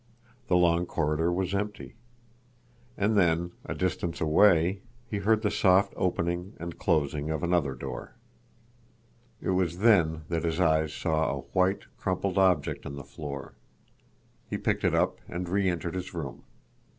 The long corridor was empty. And then—a distance away—he heard the soft opening and closing of another door. It was then that his eyes saw a white, crumpled object on the floor. He picked it up and reentered his room.